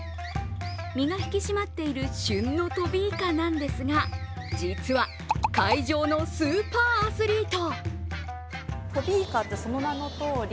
みか引き締まっている旬のトビイカなんですが実は、海上のスーパーアスリート。